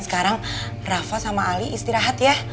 sekarang rafa sama ali istirahat ya